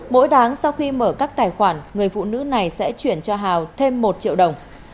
mỗi tháng sau khi mở các tài khoản người phụ nữ này sẽ chuyển cho hào thêm một triệu đồng